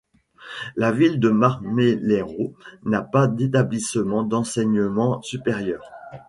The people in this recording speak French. La ville de Marmeleiro n'a pas d'établissement d'enseignement supérieur.